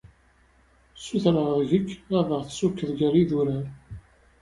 Sutureɣ deg-k ad aɣ-tessukeḍ gar yidurar.